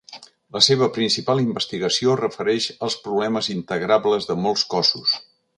La seva principal investigació es refereix als problemes integrables de molts cossos.